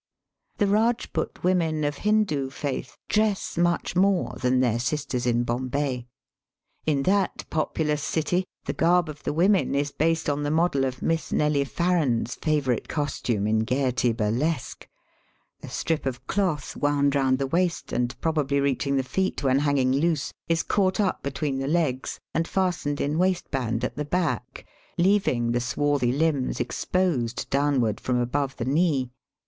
The Eajput women of Hindoo faith dress much more than their sisters in Bombay. In that populous city the garb of the women is based on the model of Miss Nelly Farren's favourite costume in Gaiety burlesque. A strip of clpth wound round the waist, and probably jeaching the feet when hanging loose, is caught up between the legs and fastened in waistband at the back, leaving the swarthy limbs ; exposed downward from above the knee.